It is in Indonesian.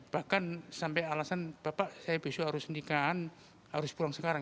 bahkan sampai alasan bapak saya besok harus nikahan harus pulang sekarang